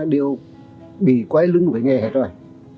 đều bị quấy lưng với nghề hết rồi